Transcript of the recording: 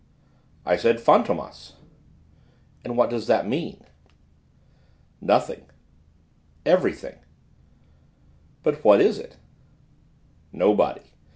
"I said: Fantômas." "And what does that mean?" "Nothing.... Everything!" "But what is it?" "Nobody....